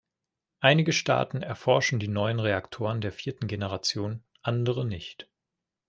Einige Staaten erforschen die neuen Reaktoren der vierten Generation, andere nicht.